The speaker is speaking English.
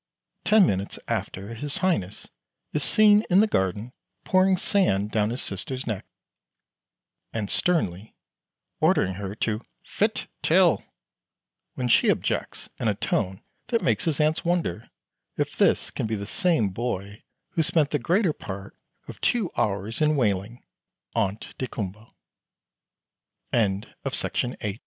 Ten minutes after, his Highness is seen in the garden pouring sand down his sister's neck, and sternly ordering her to "fit 'till," when she objects, in a tone that makes his aunts wonder if this can be the same boy who spent the greater part of two hours in wailing, "Ont daykumboa." [Illustration: Music: Lit